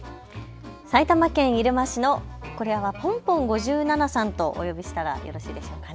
埼玉県入間市のｐｏｎｐｏｎ５７さんとお呼びしたらよろしいでしょうかね。